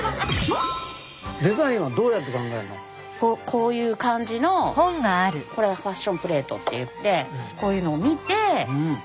こういう感じのこれはファッションプレートっていってこういうのを見てああ